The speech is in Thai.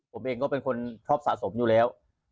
ผมเองก็เป็นคนชอบสะสมอยู่แล้ว